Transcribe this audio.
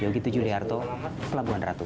yogi tujuhliarto pelabuhan ratu